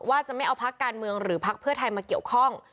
ว่าจะไม่เอาพักการเมืองหรือพักเพื่อไทยมาเกี่ยวข้อง